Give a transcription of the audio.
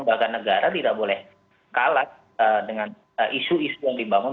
lembaga negara tidak boleh kalah dengan isu isu yang dibangun